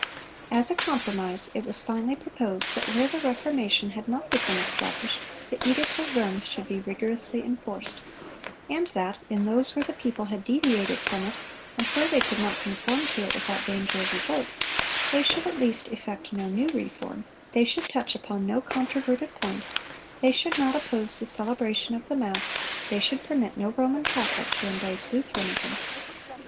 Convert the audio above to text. As a compromise it was finally proposed that where the Reformation had not become established, the edict of Worms should be rigorously enforced; and that "in those where the people had deviated from it, and where they could not conform to it without danger of revolt, they should at least effect no new reform, they should touch upon no controverted point, they should not oppose the celebration of the mass, they should permit no Roman Catholic to embrace Lutheranism."